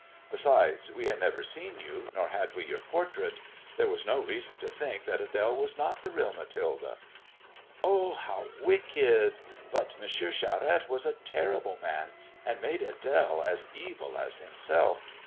Besides, we had never seen you, nor had we your portndti There was no reason to think that Ad^le was not the real Mathilde." "Oh ! how wicked. But M. Charette was a terrible mau, and made Ad^le as evil as himself.